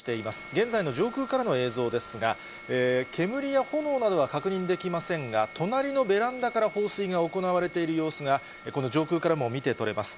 現在の上空からの映像ですが、煙や炎などは確認できませんが、隣のベランダから放水が行われている様子が、この上空からも見て取れます。